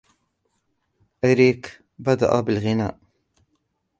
إريك بدأ بالغناء.